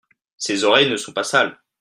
Ses oreilles ne sont pas sales.